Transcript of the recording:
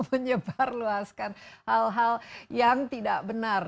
menyebarluaskan hal hal yang tidak benar